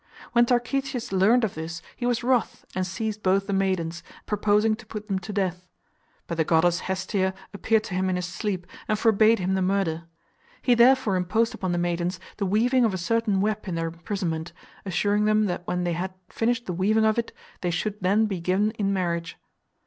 When Tarchetius learned of this, he was wroth, and seized both the maidens, purposing to put them to death. But the goddess Hestia appeared to him in his sleep and for bade him the murder. He therefore imposed upon the maidens the weaving of a certain web in their imprisonment, assuring them that when they had finished the weaving of it, they should then be given in marriage.